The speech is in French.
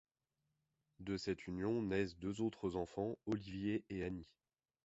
De cette union naissent deux autres enfants, Oliver et Annie.